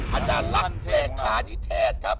อรักษ์และเทศครับ